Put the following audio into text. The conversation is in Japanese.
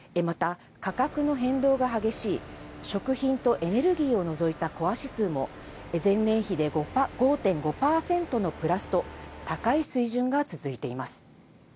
また、価格の変動が激しい食品とエネルギーを除いたコア指数も、前年比で５．５％のプラスと高い水準が続いています。